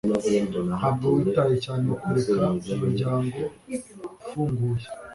ntabwo witaye cyane kureka umuryango ufunguye